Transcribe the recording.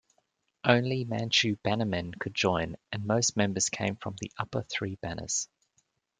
Only Manchu bannermen could join, and most members came from the upper three banners.